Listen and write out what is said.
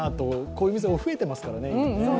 こういうお店が増えてますからね、今。